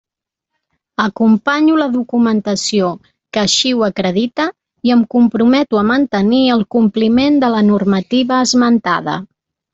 Acompanyo la documentació que així ho acredita i em comprometo a mantenir el compliment de la normativa esmentada.